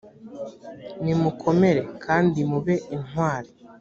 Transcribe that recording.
nimukomere kandi mube intwari,